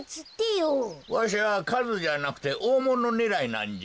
わしはかずじゃなくておおものねらいなんじゃ。